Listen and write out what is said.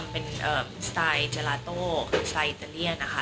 เป็นสไตล์เจลาโต้ไซอิตาเลียนนะคะ